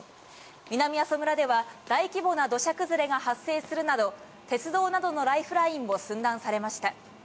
南阿蘇村では大規模な土砂崩れが発生するなど、鉄道などのライフラインも寸断されました。